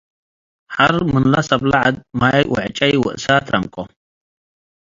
ሐር ምንለ ሰብ ዐድ ማይ ወዕጨይ ወእሳት ረምቀው።